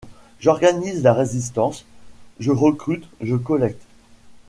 J’organise la résistance, je recrute, je collecte. ..